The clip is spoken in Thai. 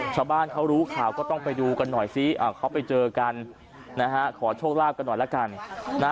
ชาวบ้านเขารู้ข่าวก็ต้องไปดูกันหน่อยซิเขาไปเจอกันนะฮะขอโชคลาภกันหน่อยละกัน